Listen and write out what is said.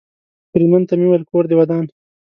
بریدمن ته مې وویل: کور دې ودان.